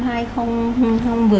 vừa kết thúc